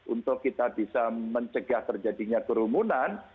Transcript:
untuk kita bisa mencegah terjadinya kerumunan